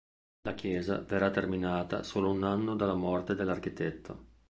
La chiesa verrà terminata solo un anno dalla morte dell'architetto.